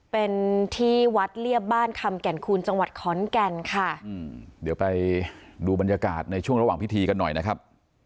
เป็นที่วัดเรียบบ้านคำแก่นคูณจังหวัดขอนแก่นค่ะอืมเดี๋ยวไปดูบรรยากาศในช่วงระหว่างพิธีกันหน่อยนะครับ